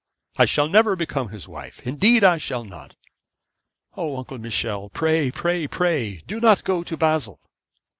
I shall never become his wife; indeed I shall not. O, Uncle Michel, pray, pray, pray do not go to Basle!'